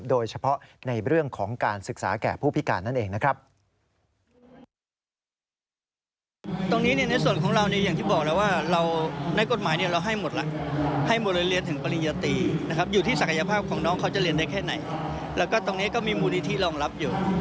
โดยเฉพาะในเรื่องของการศึกษาแก่ผู้พิการนั่นเองนะครับ